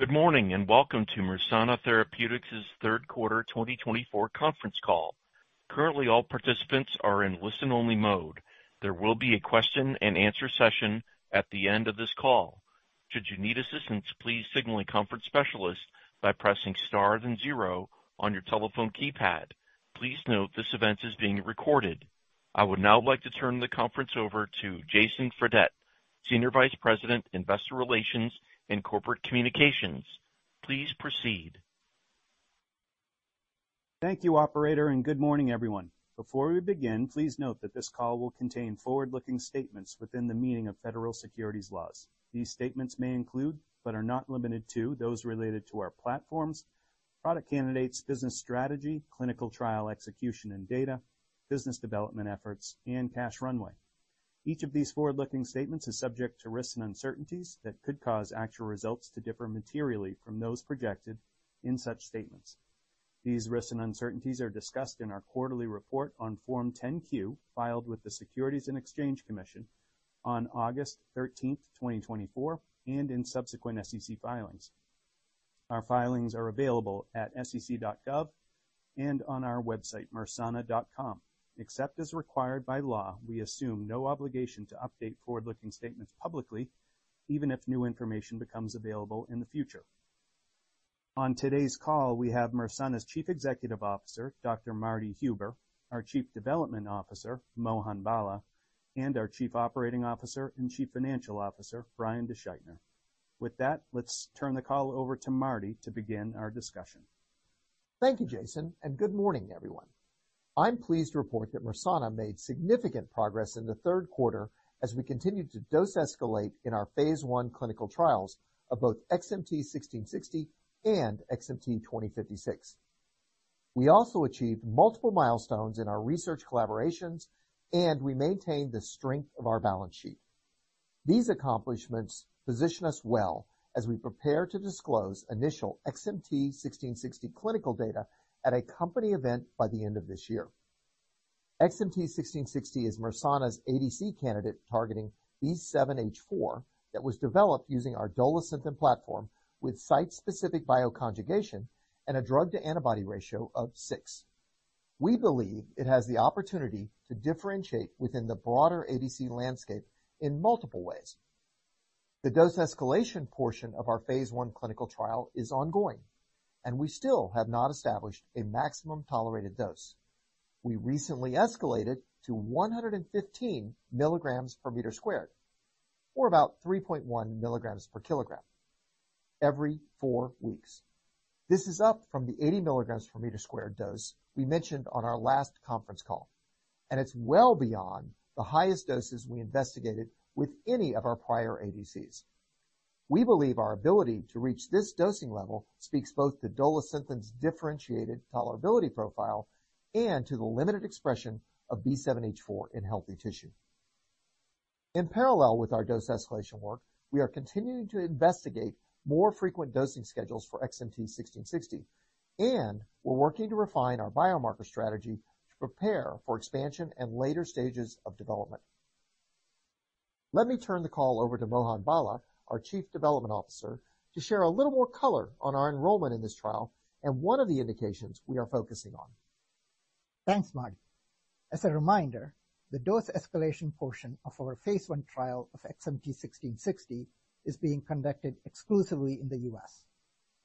Good morning and welcome to Mersana Therapeutics Third Quarter 2024 Conference Call. Currently, all participants are in listen-only mode. There will be a question-and-answer session at the end of this call. Should you need assistance, please signal a conference specialist by pressing star then zero on your telephone keypad. Please note this event is being recorded. I would now like to turn the conference over to Jason Fredette, Senior Vice President, Investor Relations and Corporate Communications. Please proceed. Thank you, Operator, and good morning, everyone. Before we begin, please note that this call will contain forward-looking statements within the meaning of federal securities laws. These statements may include, but are not limited to, those related to our platforms, product candidates, business strategy, clinical trial execution and data, business development efforts, and cash runway. Each of these forward-looking statements is subject to risks and uncertainties that could cause actual results to differ materially from those projected in such statements. These risks and uncertainties are discussed in our quarterly report on Form 10-Q filed with the Securities and Exchange Commission on August 13th, 2024, and in subsequent SEC filings. Our filings are available at sec.gov and on our website, mersana.com. Except as required by law, we assume no obligation to update forward-looking statements publicly, even if new information becomes available in the future. On today's call, we have Mersana's Chief Executive Officer, Dr. Martin Huber, our Chief Development Officer, Mohan Bala, and our Chief Operating Officer and Chief Financial Officer, Brian DeSchuytner. With that, let's turn the call over to Marty to begin our discussion. Thank you, Jason, and good morning, everyone. I'm pleased to report that Mersana made significant progress in the third quarter as we continue to dose-escalate in our phase I clinical trials of both XMT-1660 and XMT-2056. We also achieved multiple milestones in our research collaborations, and we maintain the strength of our balance sheet. These accomplishments position us well as we prepare to disclose initial XMT-1660 clinical data at a company event by the end of this year. XMT-1660 is Mersana's ADC candidate targeting B7-H4 that was developed using our Dolosynthin platform with site-specific bioconjugation and a drug-to-antibody ratio of six. We believe it has the opportunity to differentiate within the broader ADC landscape in multiple ways. The dose-escalation portion of our phase I clinical trial is ongoing, and we still have not established a maximum tolerated dose. We recently escalated to 115 milligrams per meter squared, or about 3.1 milligrams per kilogram, every four weeks. This is up from the 80 milligrams per meter squared dose we mentioned on our last conference call, and it's well beyond the highest doses we investigated with any of our prior ADCs. We believe our ability to reach this dosing level speaks both to Dolosynthin's differentiated tolerability profile and to the limited expression of B7-H4 in healthy tissue. In parallel with our dose-escalation work, we are continuing to investigate more frequent dosing schedules for XMT-1660, and we're working to refine our biomarker strategy to prepare for expansion and later stages of development. Let me turn the call over to Mohan Bala, our Chief Development Officer, to share a little more color on our enrollment in this trial and one of the indications we are focusing on. Thanks, Martin. As a reminder, the dose-escalation portion of our phase I trial of XMT-1660 is being conducted exclusively in the U.S.,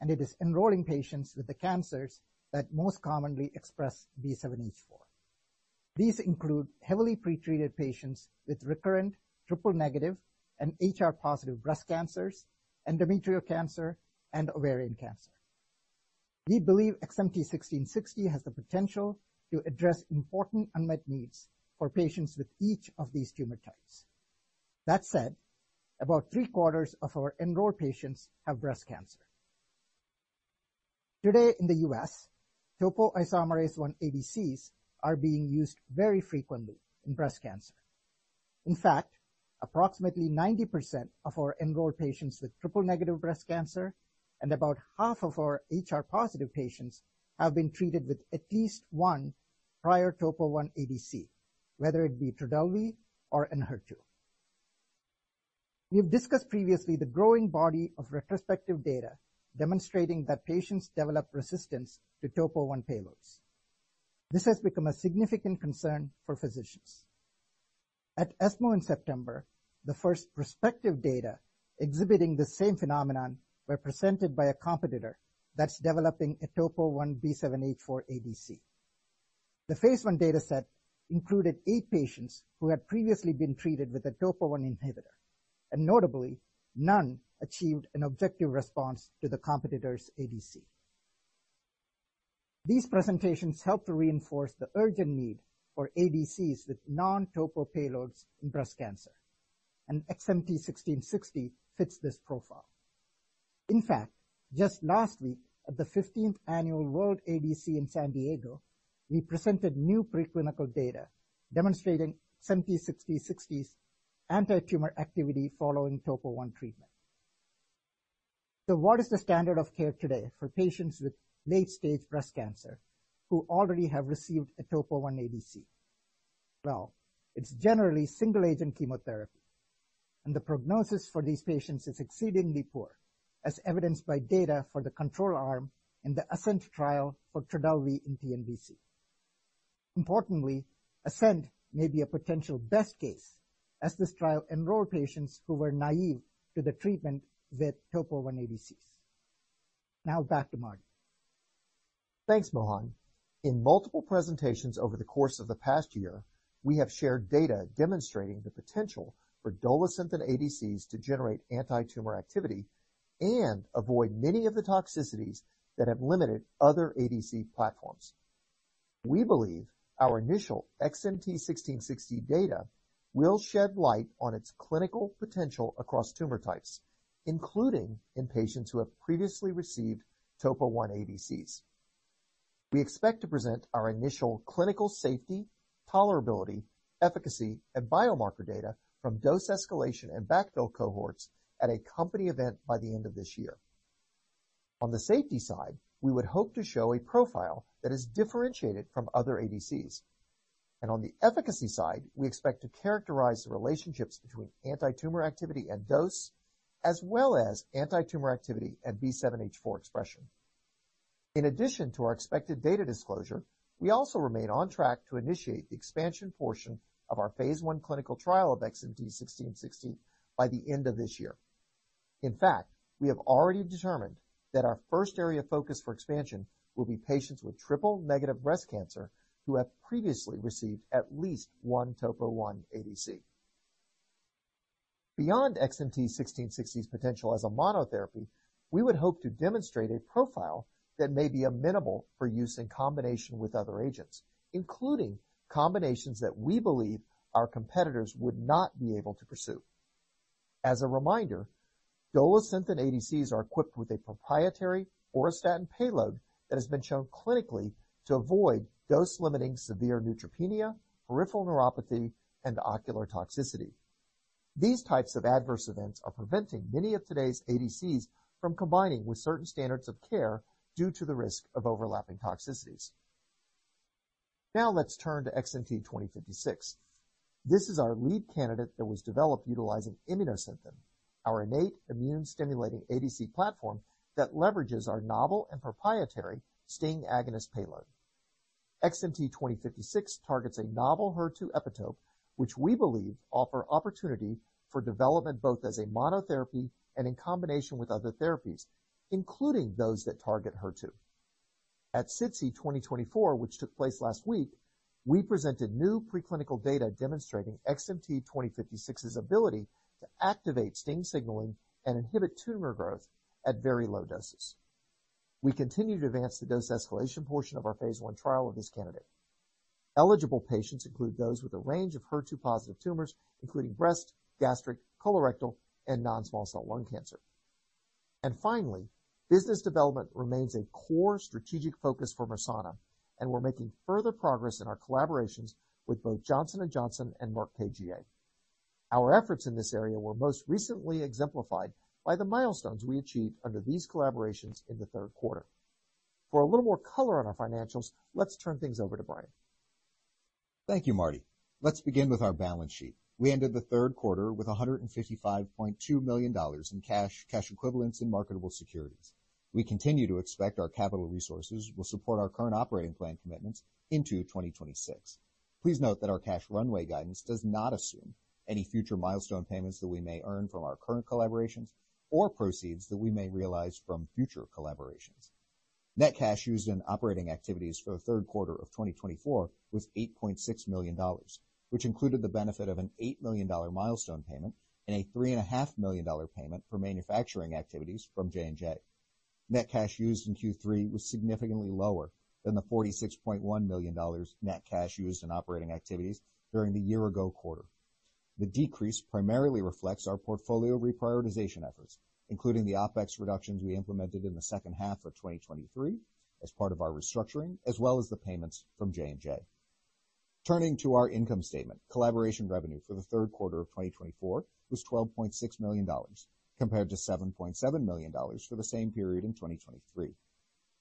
and it is enrolling patients with the cancers that most commonly express B7-H4. These include heavily pretreated patients with recurrent triple-negative and HR-positive breast cancers, endometrial cancer, and ovarian cancer. We believe XMT-1660 has the potential to address important unmet needs for patients with each of these tumor types. That said, about three quarters of our enrolled patients have breast cancer. Today, in the U.S., Topoisomerase I ADCs are being used very frequently in breast cancer. In fact, approximately 90% of our enrolled patients with triple-negative breast cancer and about half of our HR-positive patients have been treated with at least one prior Topo I ADC, whether it be Trodelvy or Enhertu. We have discussed previously the growing body of retrospective data demonstrating that patients develop resistance to Topo I payloads. This has become a significant concern for physicians. At ESMO in September, the first prospective data exhibiting the same phenomenon were presented by a competitor that's developing a Topo I B7-H4 ADC. The phase I data set included eight patients who had previously been treated with a Topo I inhibitor, and notably, none achieved an objective response to the competitor's ADC. These presentations help to reinforce the urgent need for ADCs with non-Topo payloads in breast cancer, and XMT-1660 fits this profile. In fact, just last week, at the 15th Annual World ADC in San Diego, we presented new preclinical data demonstrating XMT-1660's anti-tumor activity following Topo I treatment. So what is the standard of care today for patients with late-stage breast cancer who already have received a Topo I ADC? Well, it's generally single-agent chemotherapy, and the prognosis for these patients is exceedingly poor, as evidenced by data for the control arm in the ASCENT trial for Trodelvy and TNBC. Importantly, ASCENT may be a potential best case as this trial enrolled patients who were naive to the treatment with Topo I ADCs. Now, back to Martin. Thanks, Mohan. In multiple presentations over the course of the past year, we have shared data demonstrating the potential for Dolosynthin ADCs to generate anti-tumor activity and avoid many of the toxicities that have limited other ADC platforms. We believe our initial XMT-1660 data will shed light on its clinical potential across tumor types, including in patients who have previously received Topo I ADCs. We expect to present our initial clinical safety, tolerability, efficacy, and biomarker data from dose-escalation and backfill cohorts at a company event by the end of this year. On the safety side, we would hope to show a profile that is differentiated from other ADCs. On the efficacy side, we expect to characterize the relationships between anti-tumor activity and dose, as well as anti-tumor activity and B7-H4 expression. In addition to our expected data disclosure, we also remain on track to initiate the expansion portion of our phase I clinical trial of XMT-1660 by the end of this year. In fact, we have already determined that our first area of focus for expansion will be patients with triple-negative breast cancer who have previously received at least one Topo I ADC. Beyond XMT-1660's potential as a monotherapy, we would hope to demonstrate a profile that may be amenable for use in combination with other agents, including combinations that we believe our competitors would not be able to pursue. As a reminder, Dolosynthin ADCs are equipped with a proprietary auristatin payload that has been shown clinically to avoid dose-limiting severe neutropenia, peripheral neuropathy, and ocular toxicity. These types of adverse events are preventing many of today's ADCs from combining with certain standards of care due to the risk of overlapping toxicities. Now, let's turn to XMT-2056. This is our lead candidate that was developed utilizing Immunosynthin, our innate immune-stimulating ADC platform that leverages our novel and proprietary STING agonist payload. XMT-2056 targets a novel HER2 epitope, which we believe offers opportunity for development both as a monotherapy and in combination with other therapies, including those that target HER2. At SITC 2024, which took place last week, we presented new preclinical data demonstrating XMT-2056's ability to activate STING signaling and inhibit tumor growth at very low doses. We continue to advance the dose-escalation portion of our phase I trial of this candidate. Eligible patients include those with a range of HER2-positive tumors, including breast, gastric, colorectal, and non-small cell lung cancer. Finally, business development remains a core strategic focus for Mersana, and we're making further progress in our collaborations with both Johnson & Johnson and Merck KGaA. Our efforts in this area were most recently exemplified by the milestones we achieved under these collaborations in the third quarter. For a little more color on our financials, let's turn things over to Brian. Thank you, Martin. Let's begin with our balance sheet. We ended the third quarter with $155.2 million in cash, cash equivalents, and marketable securities. We continue to expect our capital resources will support our current operating plan commitments into 2026. Please note that our cash runway guidance does not assume any future milestone payments that we may earn from our current collaborations or proceeds that we may realize from future collaborations. Net cash used in operating activities for the third quarter of 2024 was $8.6 million, which included the benefit of an $8 million milestone payment and a $3.5 million payment for manufacturing activities from J&J. Net cash used in Q3 was significantly lower than the $46.1 million net cash used in operating activities during the year-ago quarter. The decrease primarily reflects our portfolio reprioritization efforts, including the OpEx reductions we implemented in the second half of 2023 as part of our restructuring, as well as the payments from J&J. Turning to our income statement, collaboration revenue for the third quarter of 2024 was $12.6 million, compared to $7.7 million for the same period in 2023.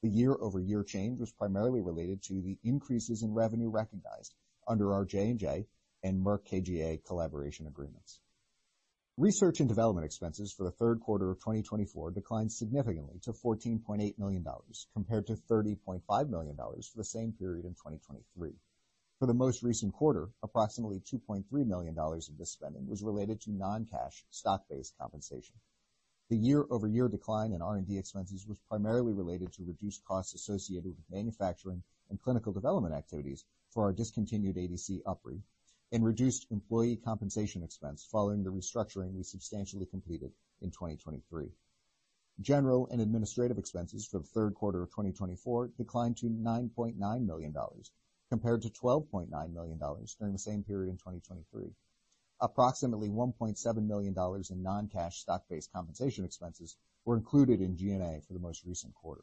The year-over-year change was primarily related to the increases in revenue recognized under our J&J and Merck KGaA collaboration agreements. Research and development expenses for the third quarter of 2024 declined significantly to $14.8 million, compared to $30.5 million for the same period in 2023. For the most recent quarter, approximately $2.3 million of this spending was related to non-cash stock-based compensation. The year-over-year decline in R&D expenses was primarily related to reduced costs associated with manufacturing and clinical development activities for our discontinued ADC UpRi and reduced employee compensation expense following the restructuring we substantially completed in 2023. General and administrative expenses for the third quarter of 2024 declined to $9.9 million, compared to $12.9 million during the same period in 2023. Approximately $1.7 million in non-cash stock-based compensation expenses were included in G&A for the most recent quarter.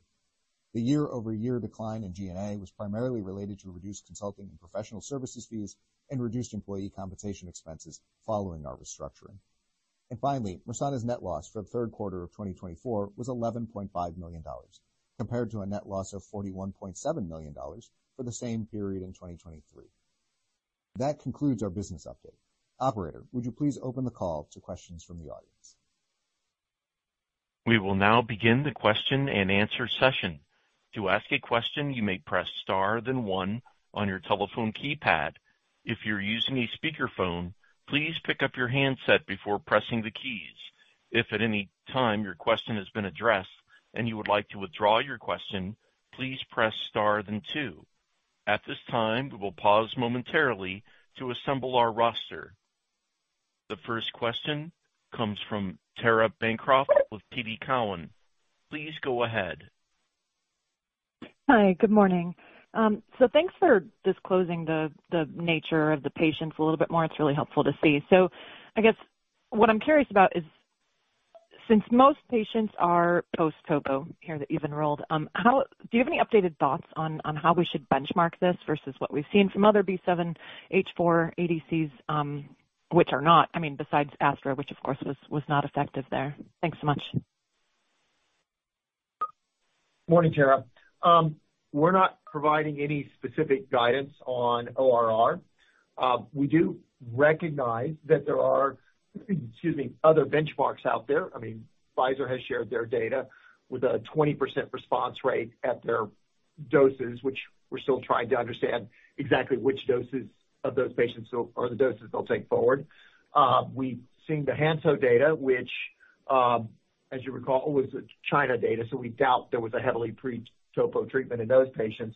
The year-over-year decline in G&A was primarily related to reduced consulting and professional services fees and reduced employee compensation expenses following our restructuring. Finally, Mersana's net loss for the third quarter of 2024 was $11.5 million, compared to a net loss of $41.7 million for the same period in 2023. That concludes our business update. Operator, would you please open the call to questions from the audience? We will now begin the question and answer session. To ask a question, you may press star then one on your telephone keypad. If you're using a speakerphone, please pick up your handset before pressing the keys. If at any time your question has been addressed and you would like to withdraw your question, please press star then two. At this time, we will pause momentarily to assemble our roster. The first question comes from Tara Bancroft with TD Cowen. Please go ahead. Hi, good morning. So thanks for disclosing the nature of the patients a little bit more. It's really helpful to see. So I guess what I'm curious about is, since most patients are post-Topo here that you've enrolled, do you have any updated thoughts on how we should benchmark this versus what we've seen from other B7-H4 ADCs, which are not, I mean, besides Astra, which of course was not effective there? Thanks so much. Morning, Tara. We're not providing any specific guidance on ORR. We do recognize that there are, excuse me, other benchmarks out there. I mean, Pfizer has shared their data with a 20% response rate at their doses, which we're still trying to understand exactly which doses of those patients are the doses they'll take forward. We've seen the Hansoh data, which, as you recall, was China data, so we doubt there was a heavily pre-Topo treatment in those patients.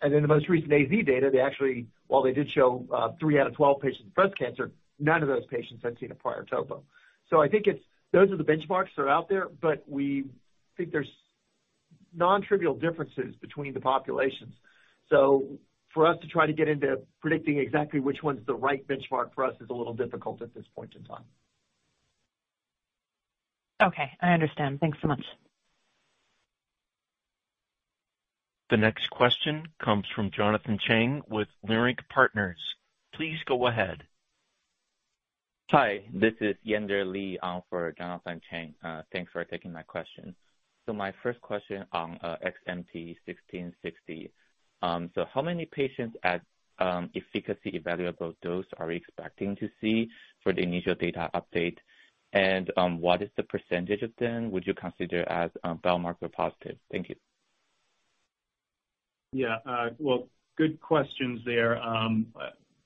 And then the most recent AZ data, they actually, while they did show three out of 12 patients with breast cancer, none of those patients had seen a prior Topo. So I think it's those are the benchmarks that are out there, but we think there's non-trivial differences between the populations. So for us to try to get into predicting exactly which one's the right benchmark for us is a little difficult at this point in time. Okay, I understand. Thanks so much. The next question comes from Jonathan Chang with Leerink Partners. Please go ahead. Hi, this is Yen-Der Li for Jonathan Chang. Thanks for taking my question. So my first question on XMT-1660. So how many patients at efficacy evaluable dose are we expecting to see for the initial data update? And what is the percentage of them would you consider as biomarker positive? Thank you. Yeah, well, good questions there.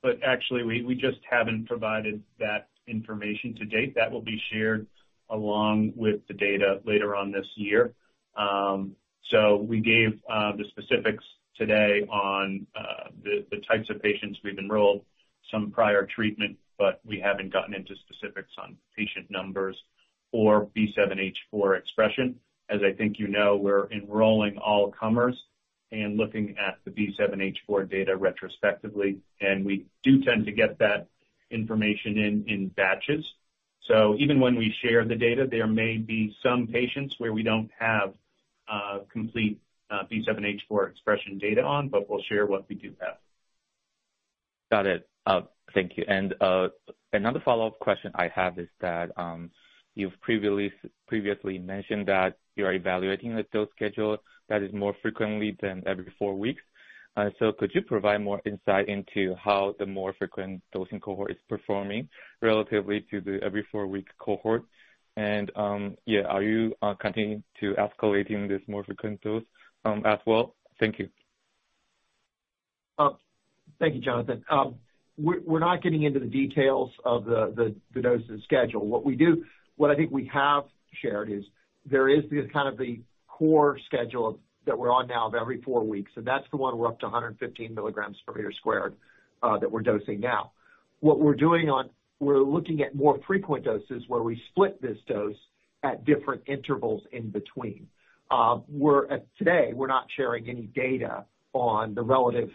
But actually, we just haven't provided that information to date. That will be shared along with the data later on this year. So we gave the specifics today on the types of patients we've enrolled, some prior treatment, but we haven't gotten into specifics on patient numbers or B7-H4 expression. As I think you know, we're enrolling all comers and looking at the B7-H4 data retrospectively, and we do tend to get that information in batches. So even when we share the data, there may be some patients where we don't have complete B7-H4 expression data on, but we'll share what we do have. Got it. Thank you. And another follow-up question I have is that you've previously mentioned that you're evaluating the dose schedule that is more frequently than every four weeks. So could you provide more insight into how the more frequent dosing cohort is performing relatively to the every four-week cohort? And yeah, are you continuing to escalate in this more frequent dose as well? Thank you. Thank you, Jonathan. We're not getting into the details of the dose schedule. What I think we have shared is there is kind of the core schedule that we're on now of every four weeks, and that's the one we're up to 115 milligrams per meter squared that we're dosing now. What we're doing on, we're looking at more frequent doses where we split this dose at different intervals in between. Today, we're not sharing any data on the relative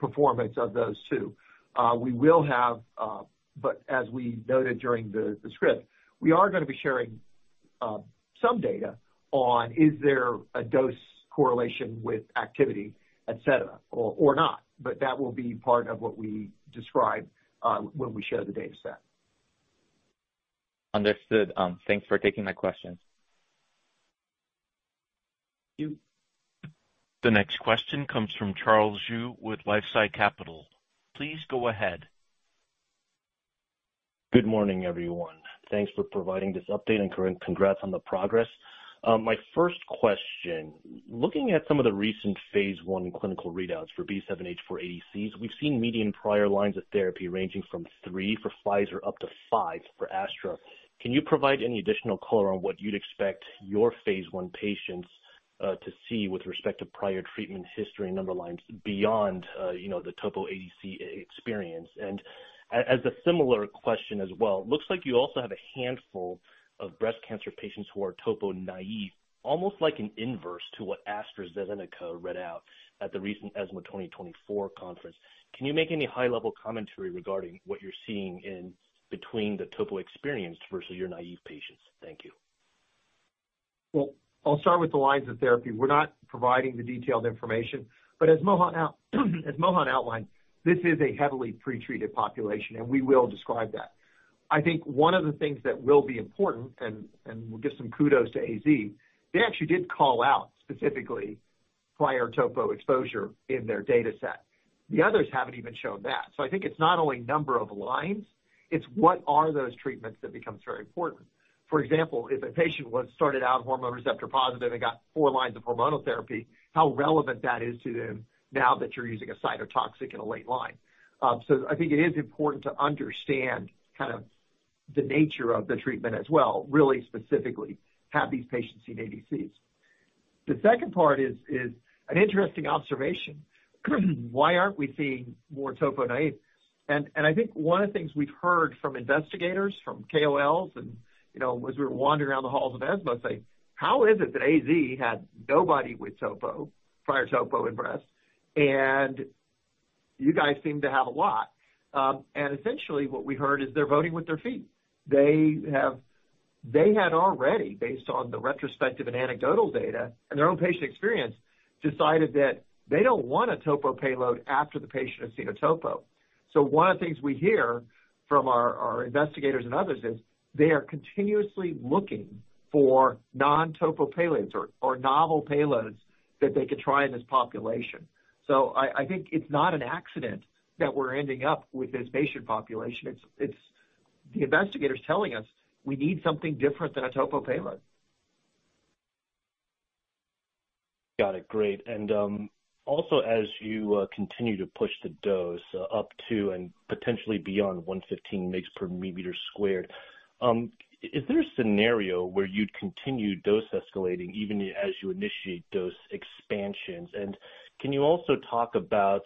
performance of those two. We will have, but as we noted during the script, we are going to be sharing some data on is there a dose correlation with activity, etc., or not. That will be part of what we describe when we share the data set. Understood. Thanks for taking my questions. You. The next question comes from Charles Zhu with LifeSci Capital. Please go ahead. Good morning, everyone. Thanks for providing this update and congrats on the progress. My first question, looking at some of the recent phase I clinical readouts for B7-H4 ADCs, we've seen median prior lines of therapy ranging from three for Pfizer up to five for Astra. Can you provide any additional color on what you'd expect your phase I patients to see with respect to prior treatment history and lines beyond the topo ADC experience? And as a similar question as well, it looks like you also have a handful of breast cancer patients who are Topo naive, almost like an inverse to what AstraZeneca read out at the recent ESMO 2024 conference. Can you make any high-level commentary regarding what you're seeing in between the topo experienced versus Topo naive patients? Thank you. I'll start with the lines of therapy. We're not providing the detailed information. But as Mohan outlined, this is a heavily pretreated population, and we will describe that. I think one of the things that will be important, and we'll give some kudos to AZ. They actually did call out specifically prior topo exposure in their data set. The others haven't even shown that. So I think it's not only number of lines, it's what are those treatments that becomes very important. For example, if a patient was started out hormone receptor positive and got four lines of hormonal therapy, how relevant that is to them now that you're using a cytotoxic in a late line. So I think it is important to understand kind of the nature of the treatment as well, really specifically have these patients seen ADCs. The second part is an interesting observation. Why aren't we seeing more Topo-naive? And I think one of the things we've heard from investigators, from KOLs, and as we were wandering around the halls of ESMO, say, how is it that AZ had nobody with topo, prior topo in breast, and you guys seem to have a lot? And essentially what we heard is they're voting with their feet. They had already, based on the retrospective and anecdotal data and their own patient experience, decided that they don't want a topo payload after the patient has seen a topo. So one of the things we hear from our investigators and others is they are continuously looking for non-topo payloads or novel payloads that they could try in this population. So I think it's not an accident that we're ending up with this patient population. It's the investigators telling us we need something different than a topo payload. Got it. Great. And also as you continue to push the dose up to and potentially beyond 115 mgs per meter squared, is there a scenario where you'd continue dose escalating even as you initiate dose expansions? And can you also talk about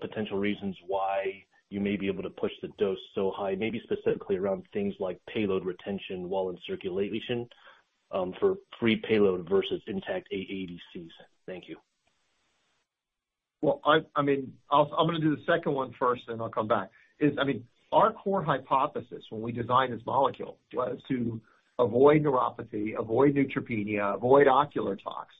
potential reasons why you may be able to push the dose so high, maybe specifically around things like payload retention while in circulation for free payload versus intact ADCs? Thank you. I mean, I'm going to do the second one first, and I'll come back. I mean, our core hypothesis when we designed this molecule was to avoid neuropathy, avoid neutropenia, avoid ocular tox.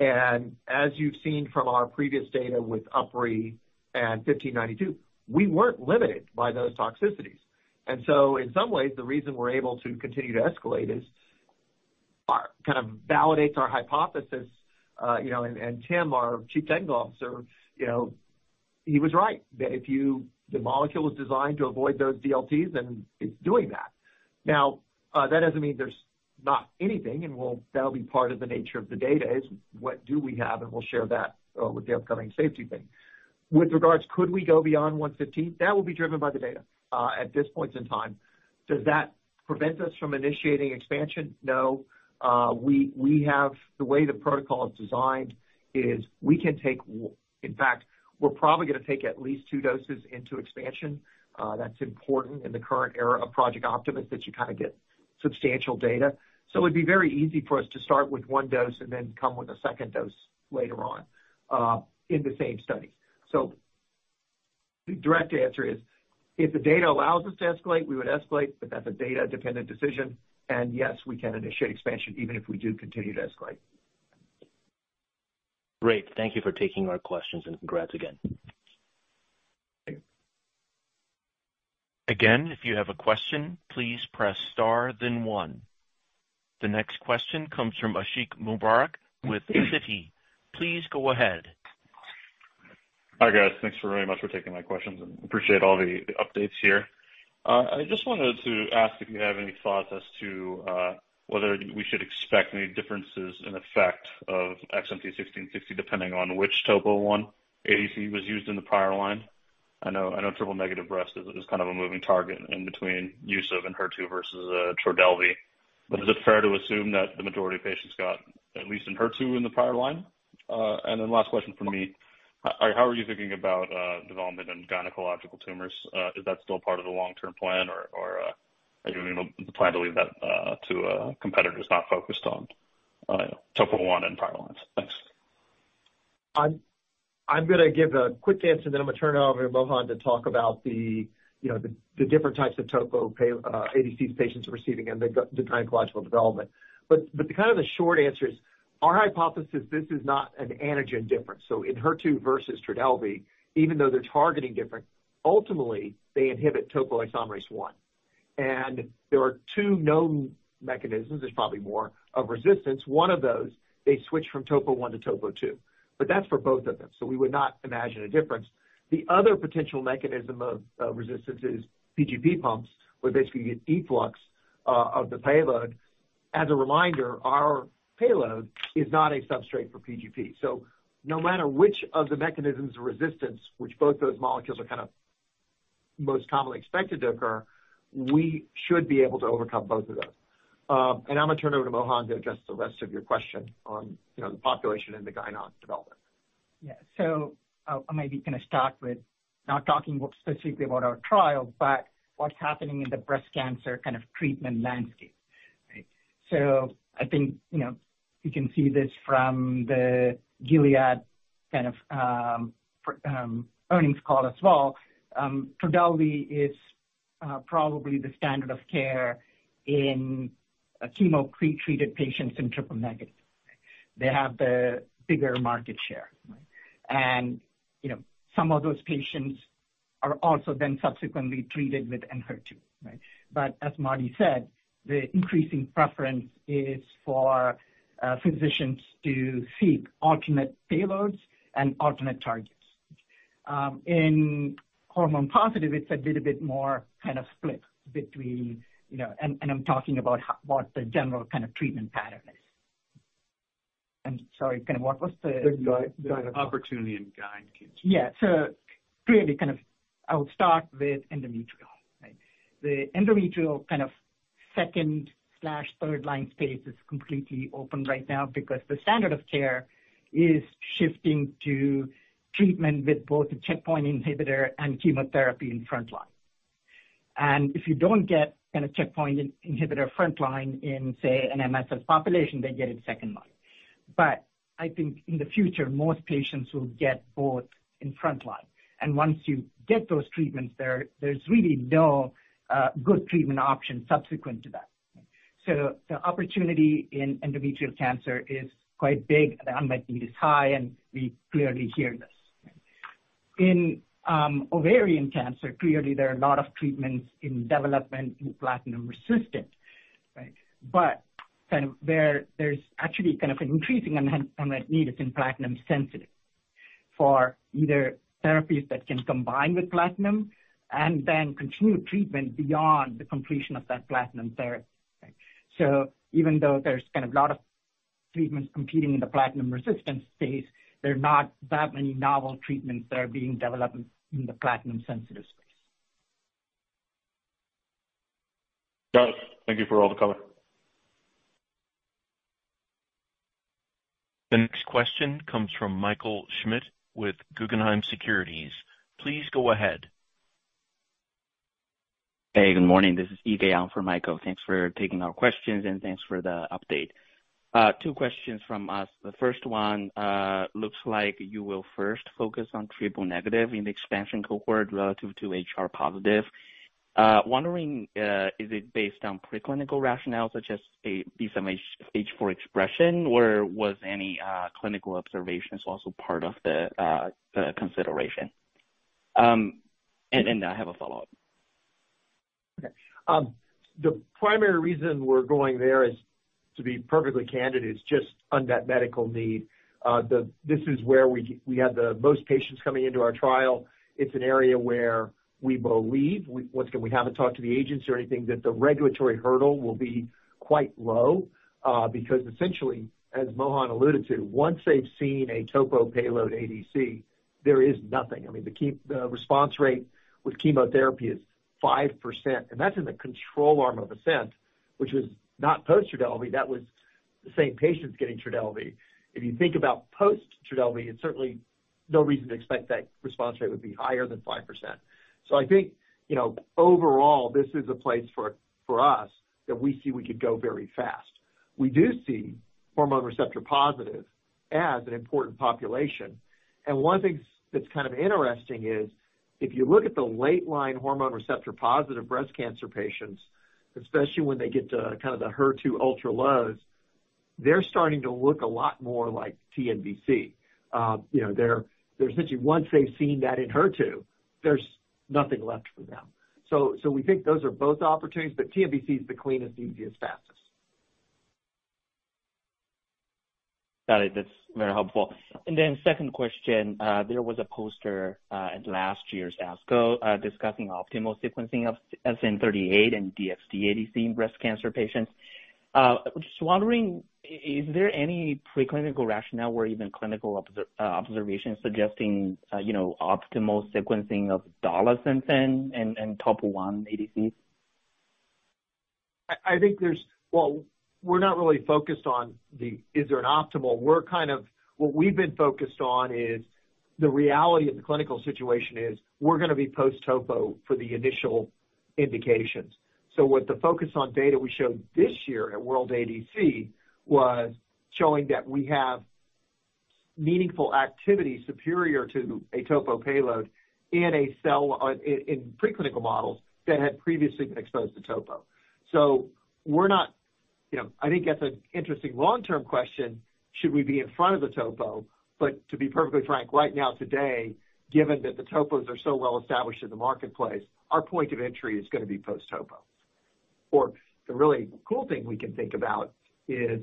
And as you've seen from our previous data with UpRi and XMT-1592, we weren't limited by those toxicities. And so in some ways, the reason we're able to continue to escalate is kind of validates our hypothesis. And Tim, our chief technical officer, he was right that if the molecule was designed to avoid those DLTs, then it's doing that. Now, that doesn't mean there's not anything, and that'll be part of the nature of the data is what do we have, and we'll share that with the upcoming safety thing. With regards, could we go beyond 115? That will be driven by the data. At this point in time, does that prevent us from initiating expansion? No. The way the protocol is designed is we can take, in fact, we're probably going to take at least two doses into expansion. That's important in the current era of Project Optimus, that you kind of get substantial data. So it'd be very easy for us to start with one dose and then come with a second dose later on in the same studies. So the direct answer is if the data allows us to escalate, we would escalate, but that's a data-dependent decision, and yes, we can initiate expansion even if we do continue to escalate. Great. Thank you for taking our questions and congrats again. Thanks. Again, if you have a question, please press star then one. The next question comes from Ashiq Mubarack with Citi. Please go ahead. Hi guys. Thanks very much for taking my questions, and appreciate all the updates here. I just wanted to ask if you have any thoughts as to whether we should expect any differences in effect of XMT-1660 depending on which Topo I ADC was used in the prior line. I know triple negative breast is kind of a moving target in between use of Enhertu versus Trodelvy. But is it fair to assume that the majority of patients got at least Enhertu in the prior line? And then last question for me, how are you thinking about development in gynecological tumors? Is that still part of the long-term plan, or are you going to plan to leave that to competitors not focused on Topo I and prior lines? Thanks. I'm going to give a quick answer, and then I'm going to turn it over to Mohan to talk about the different types of topo ADCs patients are receiving and the gynecological development. But kind of the short answer is our hypothesis, this is not an antigen difference. So in HER2 versus Trodelvy, even though they're targeting different, ultimately they inhibit topoisomerase 1. And there are two known mechanisms, there's probably more, of resistance. One of those, they switch from topo 1 to topo 2. But that's for both of them. So we would not imagine a difference. The other potential mechanism of resistance is PGP pumps, where basically you get efflux of the payload. As a reminder, our payload is not a substrate for PGP. So no matter which of the mechanisms of resistance, which both those molecules are kind of most commonly expected to occur, we should be able to overcome both of those. And I'm going to turn it over to Mohan to address the rest of your question on the population and the gyne development. Yeah. So I'm maybe going to start with not talking specifically about our trial, but what's happening in the breast cancer kind of treatment landscape. So I think you can see this from the Gilead kind of earnings call as well. Trodelvy is probably the standard of care in chemo-pretreated patients in triple-negative. They have the bigger market share. And some of those patients are also then subsequently treated within HER2. But as Marty said, the increasing preference is for physicians to seek alternate payloads and alternate targets. In hormone-positive, it's a little bit more kind of split between, and I'm talking about what the general kind of treatment pattern is. I'm sorry, kind of what was the. Gynecology. Yeah. So, clearly, kind of, I will start with endometrial. The endometrial kind of second slash third line space is completely open right now because the standard of care is shifting to treatment with both a checkpoint inhibitor and chemotherapy in front line, and if you don't get kind of checkpoint inhibitor front line in, say, an MSS population, they get it second line, but I think in the future, most patients will get both in front line, and once you get those treatments, there's really no good treatment option subsequent to that, so the opportunity in endometrial cancer is quite big, the unmet need is high, and we clearly hear this. In ovarian cancer, clearly there are a lot of treatments in development in platinum-resistant. But kind of where there's actually kind of an increasing unmet need is in platinum-sensitive for other therapies that can combine with platinum and then continue treatment beyond the completion of that platinum therapy. So even though there's kind of a lot of treatments competing in the platinum-resistant space, there are not that many novel treatments that are being developed in the platinum-sensitive space. Got it. Thank you for all the color. The next question comes from Michael Schmidt with Guggenheim Securities. Please go ahead. Hey, good morning. This is Eve Gao for Michael. Thanks for taking our questions and thanks for the update. Two questions from us. The first one looks like you will first focus on triple-negative in the expansion cohort relative to HR-positive. Wondering, is it based on preclinical rationale such as B7-H4 expression, or was any clinical observations also part of the consideration? And I have a follow-up. Okay. The primary reason we're going there, to be perfectly candid, is just unmet medical need. This is where we have the most patients coming into our trial. It's an area where we believe, once again, we haven't talked to the agency or anything, that the regulatory hurdle will be quite low because essentially, as Mohan alluded to, once they've seen a topo payload ADC, there is nothing. I mean, the response rate with chemotherapy is 5%. And that's in the control arm of ASCENT, which was not post-Trodelvy. That was the same patients getting Trodelvy. If you think about post-Trodelvy, it's certainly no reason to expect that response rate would be higher than 5%. So I think overall, this is a place for us that we see we could go very fast. We do see hormone receptor positive as an important population. One of the things that's kind of interesting is if you look at the late line hormone receptor positive breast cancer patients, especially when they get to kind of the HER2 ultra lows, they're starting to look a lot more like TNBC. They're essentially, once they've seen that in HER2, there's nothing left for them. So we think those are both opportunities, but TNBC is the cleanest, easiest, fastest. Got it. That's very helpful, and then second question, there was a poster at last year's ASCO discussing optimal sequencing of SN-38 and DXd ADC in breast cancer patients. Just wondering, is there any preclinical rationale or even clinical observation suggesting optimal sequencing of Dolosynthin and Topo I ADC? I think there's, well, we're not really focused on the, is there an optimal? We're kind of, what we've been focused on is the reality of the clinical situation is we're going to be post-topo for the initial indications. So with the focus on data we showed this year at World ADC was showing that we have meaningful activity superior to a topo payload in preclinical models that had previously been exposed to topo. So we're not, I think that's an interesting long-term question, should we be in front of the topo? But to be perfectly frank, right now, today, given that the topos are so well established in the marketplace, our point of entry is going to be post-topo. Or the really cool thing we can think about is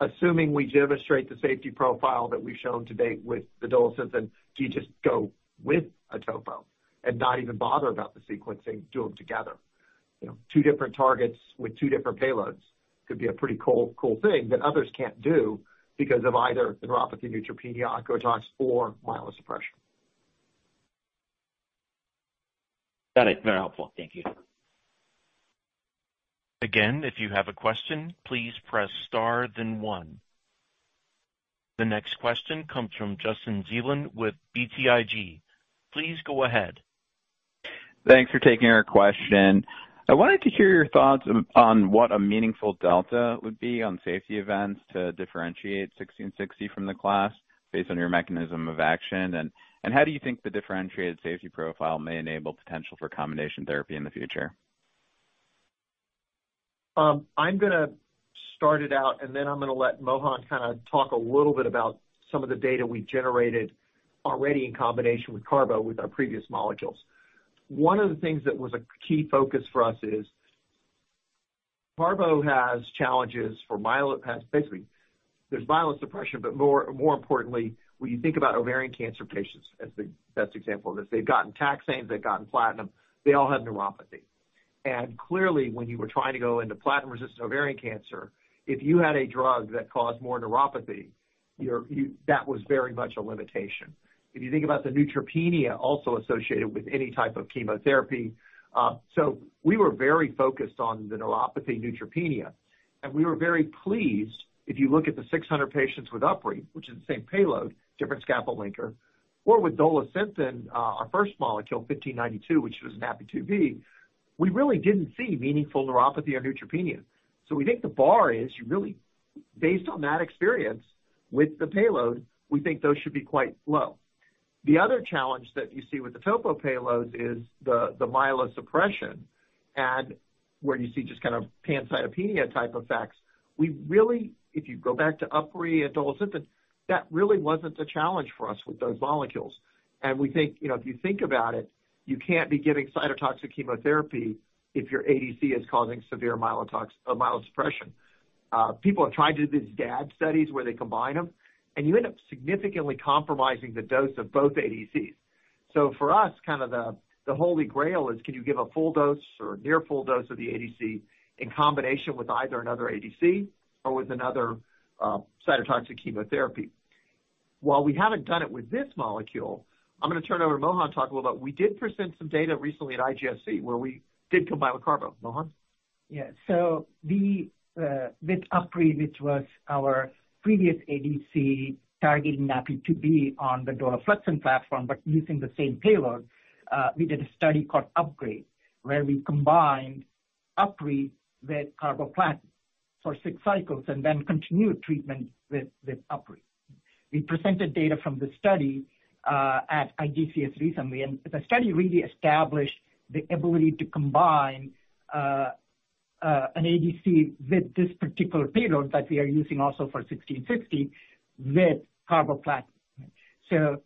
assuming we demonstrate the safety profile that we've shown to date with the Dolosynthin, do you just go with a topo and not even bother about the sequencing, do them together? Two different targets with two different payloads could be a pretty cool thing that others can't do because of either neuropathy, neutropenia, ocular tox, or myelosuppression. Got it. Very helpful. Thank you. Again, if you have a question, please press star then one. The next question comes from Justin Zelin with BTIG. Please go ahead. Thanks for taking our question. I wanted to hear your thoughts on what a meaningful delta would be on safety events to differentiate 1660 from the class based on your mechanism of action. And how do you think the differentiated safety profile may enable potential for combination therapy in the future? I'm going to start it out, and then I'm going to let Mohan kind of talk a little bit about some of the data we generated already in combination with carbo with our previous molecules. One of the things that was a key focus for us is carbo has challenges for myelosuppression. Basically, there's myelosuppression, but more importantly, when you think about ovarian cancer patients as the best example of this, they've gotten taxanes, they've gotten platinum, they all have neuropathy, and clearly, when you were trying to go into platinum-resistant ovarian cancer, if you had a drug that caused more neuropathy, that was very much a limitation. If you think about the neutropenia also associated with any type of chemotherapy, so we were very focused on the neuropathy neutropenia. And we were very pleased, if you look at the 600 patients with UpRi, which is the same payload, different scaffold linker, or with Dolaflexin, our first molecule, 1592, which was a NaPi2b, we really didn't see meaningful neuropathy or neutropenia. So we think the bar is, based on that experience with the payload, we think those should be quite low. The other challenge that you see with the topo payloads is the myelosuppression and where you see just kind of pancytopenia type effects. If you go back to UpRi and Dolaflexin, that really wasn't a challenge for us with those molecules. And we think if you think about it, you can't be giving cytotoxic chemotherapy if your ADC is causing severe myelosuppression. People have tried to do these GAD studies where they combine them, and you end up significantly compromising the dose of both ADCs. For us, kind of the holy grail is can you give a full dose or near full dose of the ADC in combination with either another ADC or with another cytotoxic chemotherapy? While we haven't done it with this molecule, I'm going to turn it over to Mohan to talk a little bit. We did present some data recently at IGCS where we did combine with carbo. Mohan? Yeah. So with UpRi, which was our previous ADC targeting NaPi2b on the Dolaflexin platform, but using the same payload, we did a study called UPGRADE, where we combined UpRi with carboplatin for six cycles and then continued treatment with UpRi. We presented data from the study at IGCS recently, and the study really established the ability to combine an ADC with this particular payload that we are using also for 1660 with carboplatin. So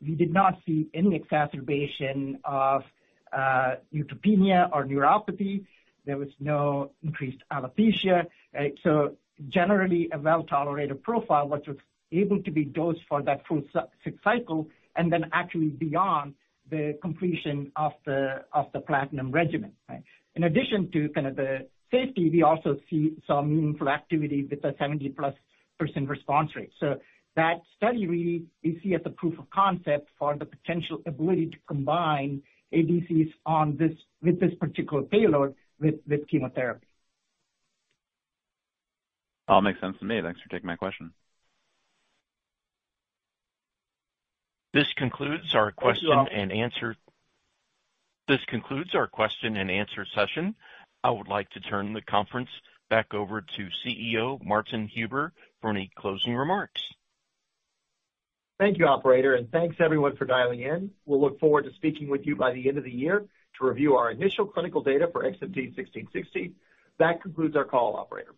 we did not see any exacerbation of neutropenia or neuropathy. There was no increased alopecia. So generally a well-tolerated profile, which was able to be dosed for that full six cycles and then actually beyond the completion of the platinum regimen. In addition to kind of the safety, we also saw meaningful activity with a 70 plus percent response rate. That study really, we see as a proof of concept for the potential ability to combine ADCs with this particular payload with chemotherapy. That all makes sense to me. Thanks for taking my question. This concludes our question and answer. This concludes our question and answer session. I would like to turn the conference back over to CEO Martin Huber for any closing remarks. Thank you, operator, and thanks everyone for dialing in. We'll look forward to speaking with you by the end of the year to review our initial clinical data for XMT-1660. That concludes our call, operator.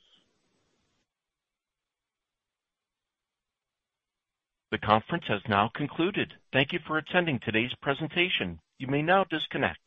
The conference has now concluded. Thank you for attending today's presentation. You may now disconnect.